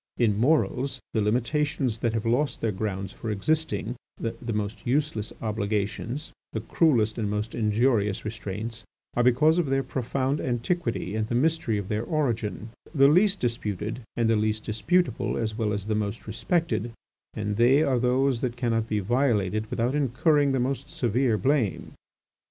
In morals, the limitations that have lost their grounds for existing, the most useless obligations, the cruelest and most injurious restraints, are because of their profound antiquity and the mystery of their origin, the least disputed and the least disputable as well as the most respected, and they are those that cannot be violated without incurring the most severe blame.